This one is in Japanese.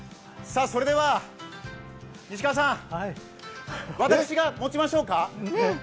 それでは西川さん私が持ちましょうか？